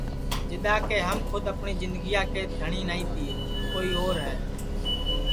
جِدؔا کہ ہم کھود اپٹؔی جِندگیا کے ملک نائی تیے کوئی اور ہے